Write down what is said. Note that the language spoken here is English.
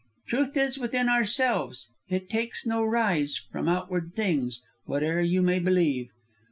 "'Truth is within ourselves; it takes no rise From outward things, whate'er you may believe.'"